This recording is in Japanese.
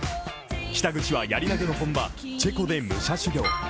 北口はやり投げの本場チェコで武者修行。